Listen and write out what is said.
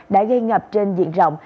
đã gây ngập trên diện rộng